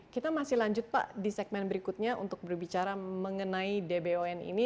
kita masih lanjut pak di segmen berikutnya untuk berbicara mengenai dbon ini